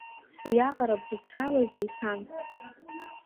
Уиаҟара бзацралазеи, сан?